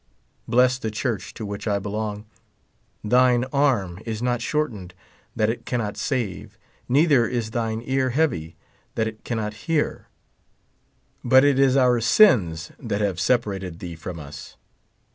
Bless the church to which I belong. Thine arm is not shortened that it cannot save, neither is thine ear heavy that it cannot hear ; but it is our sins that have separated thee from us.